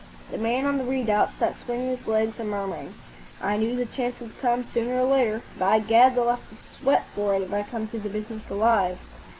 The man on the redoubt sat swinging his legs and murmuring, "I knew the chance would come, sooner or later. By Gad, they'll have to sweat for it if I come through this business alive!"